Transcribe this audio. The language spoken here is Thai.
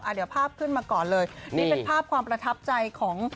เดี๋ยวภาพขึ้นมาก่อนเลยนี่เป็นภาพความประทับใจของ